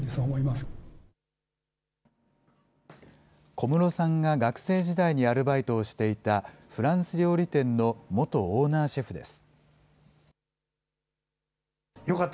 小室さんが学生時代にアルバイトをしていた、フランス料理店の元オーナーシェフです。